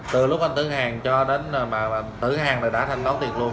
từ lúc anh thử hàng cho đến mà thử hàng là đã thanh toán tiền luôn